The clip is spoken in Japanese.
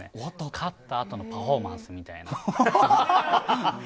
勝ったあとのパフォーマンスみたいな。